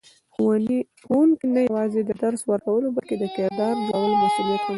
ښوونکی نه یوازې د درس ورکولو بلکې د کردار جوړولو مسئولیت هم لري.